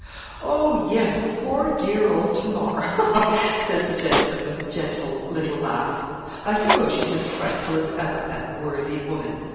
'Oh! yes, poor dear old Tamar; ha, ha!' says the gentleman, with a gentle little laugh, 'I suppose she's as frightful as ever, that worthy woman.